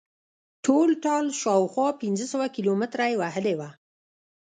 ټولټال شاوخوا پنځه سوه کیلومتره یې وهلې وه.